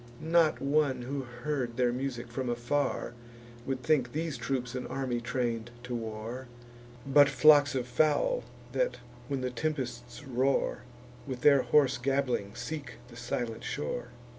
Not one who heard their music from afar, Would think these troops an army train'd to war, But flocks of fowl, that, when the tempests roar, With their hoarse gabbling seek the silent shore.